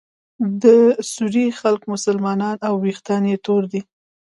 د سوریې خلک مسلمانان او ویښتان یې تور دي.